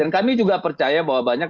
dan kami juga percaya bahwa banyak